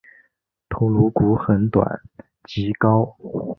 头颅骨很短及高。